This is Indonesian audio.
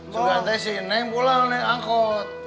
juga si nenek pulang nenek angkot